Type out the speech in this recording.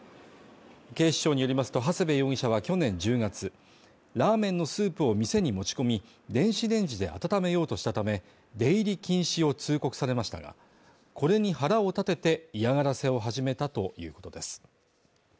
警視庁によりますとハセベ容疑者は去年１０月ラーメンのスープを店に持ち込み電子レンジで温めようとしたため出入り禁止を通告されましたがこれに腹を立てて嫌がらせを始めたということです